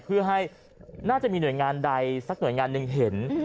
เพื่อให้น่าจะมีหน่วยงานใดสักหน่วยงานหนึ่งเห็น